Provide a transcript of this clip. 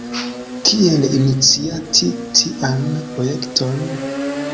Kiel iniciati tian projekton?